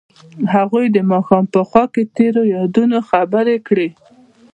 هغوی د ماښام په خوا کې تیرو یادونو خبرې کړې.